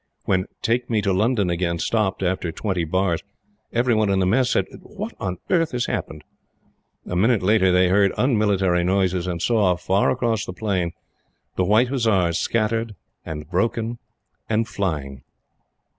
When "Take me to London again" stopped, after twenty bars, every one in the Mess said: "What on earth has happened?" A minute later, they heard unmilitary noises, and saw, far across the plain, the White Hussars scattered, and broken, and flying.